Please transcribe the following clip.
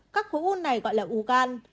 các khối u này gọi là u gan